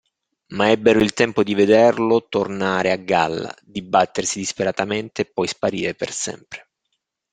Ma ebbero il tempo di vederlo tornare a galla, dibattersi disperatamente e poi sparire per sempre.